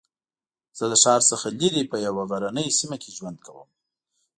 زه د ښار څخه لرې په یوه غرنۍ سېمه کې ژوند کوم